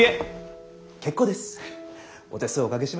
お手数おかけしました。